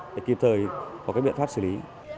để kịp thời có các biện thoát xử lý